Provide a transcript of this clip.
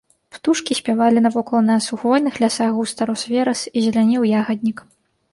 Птушкі спявалі навокал нас, у хвойных лясах густа рос верас і зелянеў ягаднік.